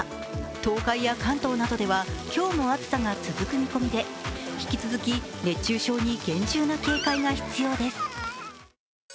東海や関東などでは、今日も暑さが続く見込みで引き続き熱中症に厳重な警戒が必要です。